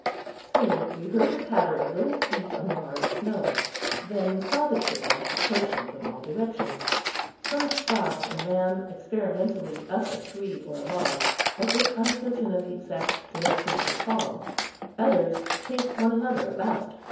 Soon we heard the patter of little feet on the hard snow; then we saw the chipmunks approaching from all directions. Some stopped and ran experimentally up a tree or a log, as if uncertain of the exact direction of the call; others chased one another about.